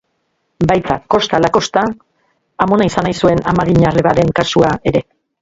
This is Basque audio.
Baita, kosta ala kosta amona izan nahi zuen amaginarrebaren kasua ere.